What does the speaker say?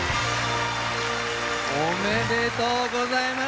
おめでとうございます。